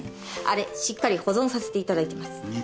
あれしっかり保存させていただいてます。